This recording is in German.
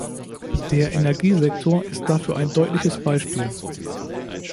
Der Energiesektor ist dafür ein deutliches Beispiel.